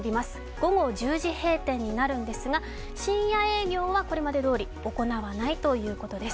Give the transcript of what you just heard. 午後１０時閉店になるんですが、深夜営業はこれまでどおり行わないということです。